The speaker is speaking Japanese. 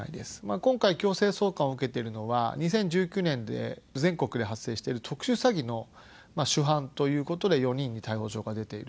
今回、強制送還を受けているのは、２０１９年で全国で発生している特殊詐欺の主犯ということで、４人に逮捕状が出ている。